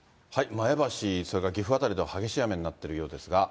前橋、それから岐阜辺りでは激しい雨になっているようですが。